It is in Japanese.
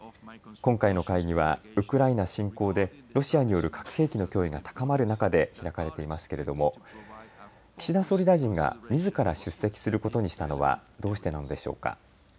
今回の会議は、ウクライナ侵攻でロシアによる核兵器の脅威が高まる中で開かれていますけれども岸田総理大臣がみずから出席することにしたのはどうしてなのでしょうか。